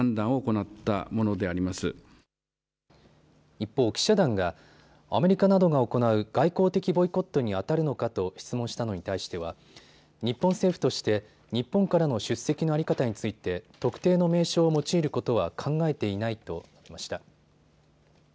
一方、記者団がアメリカなどが行う外交的ボイコットにあたるのかと質問したのに対しては日本政府として日本からの出席の在り方について特定の名称を用いることは考えていないと述べました。